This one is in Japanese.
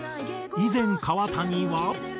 以前川谷は。